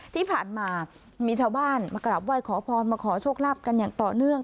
ที่ผ่านมามีชาวบ้านมากราบไหว้ขอพรมาขอโชคลาภกันอย่างต่อเนื่อง